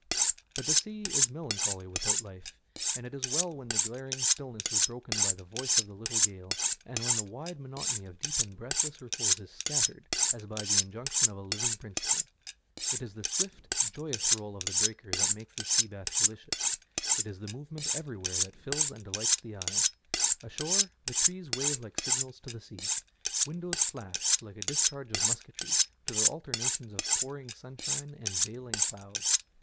But the sea is melancholy without life, and it is well when the glaring stillness is broken by the voice of the little gale, and when the wide monotony of deep and breathless repose is scattered as by the injection of a living principle. It is the swift, joyous roll of the breaker that makes the sea bath delicious ; it is the movement everywhere that fills and delights the eye. Ashore the trees wave like signals to the sea ; windows flash like a discharge of musketry to the alternations of pouring sunshine and veiling cloud.